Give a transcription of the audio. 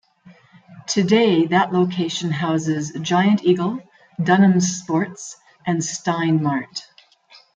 Today, that location houses Giant Eagle, Dunham's Sports, and Stein Mart.